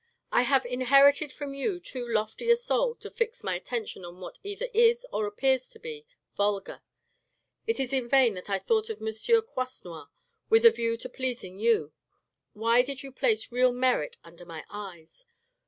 I have inherited from you too lofty a soul to fix my attention on what either is or appears to be vulgar. It is in vain that I thought of M. Croisenois with a view to pleasing you. Why did you place real merit under my eyes